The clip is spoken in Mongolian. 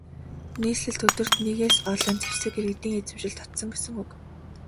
Нийслэлд өдөрт нэгээс олон зэвсэг иргэдийн эзэмшилд очсон гэсэн үг.